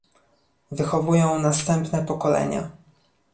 wychowują następne pokolenia